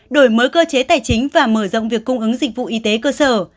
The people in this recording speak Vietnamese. đổi mới cơ chế tài chính và mở rộng việc cung ứng dịch vụ y tế cơ sở